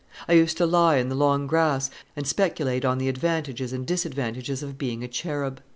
I used to lie in the long grass, and speculate on the advantages and disadvantages of being a cherub.